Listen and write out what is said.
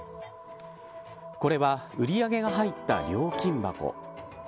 これは売り上げが入った料金箱。